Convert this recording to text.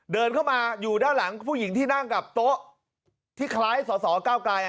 เดินเข้ามาอยู่ด้านหลังผู้หญิงที่นั่งกับโต๊ะที่คล้ายสอสอก้าวไกร